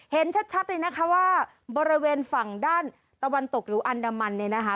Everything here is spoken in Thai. เห็นชัดเลยนะคะว่าบริเวณฝั่งด้านตะวันตกหรืออันดามันเนี่ยนะคะ